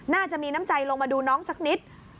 น่าจะมีน้ำใจลงมาดูน้องสักนิด